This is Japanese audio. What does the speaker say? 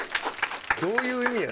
どういう意味や？